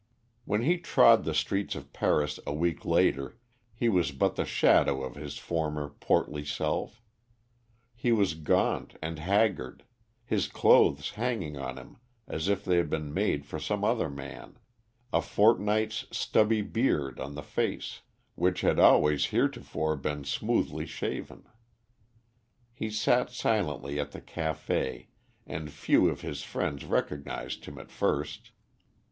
When he trod the streets of Paris a week later, he was but the shadow of his former portly self. He was gaunt and haggard, his clothes hanging on him as if they had been made for some other man, a fortnight's stubby beard on the face which had always heretofore been smoothly shaven. He sat silently at the café, and few of his friends recognised him at first.